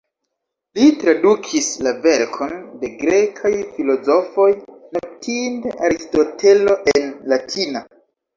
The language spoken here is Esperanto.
Li tradukis la verkon de grekaj filozofoj, notinde Aristotelo, en latina.